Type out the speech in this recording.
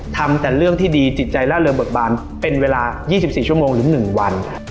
ทำแต่เรื่องที่ดีจิตใจล่าเริงเบิกบานเป็นเวลา๒๔ชั่วโมงหรือ๑วัน